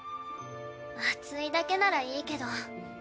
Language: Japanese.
熱いだけならいいけど。